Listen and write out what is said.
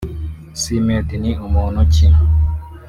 S Made ni muntu niki